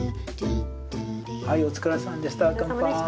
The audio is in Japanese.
はいお疲れさんでした。